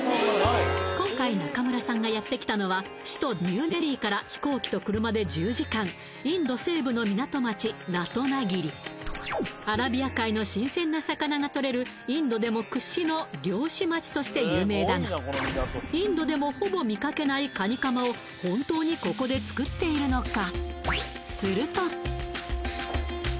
今回中村さんがやってきたのは首都ニューデリーから飛行機と車で１０時間インド西部の港町ラトナギリアラビア海の新鮮な魚がとれるインドでも屈指の漁師町として有名だがインドでもほぼ見かけないカニカマを本当にここで作っているのか？